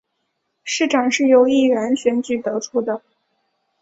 市长是由议员选举得出的。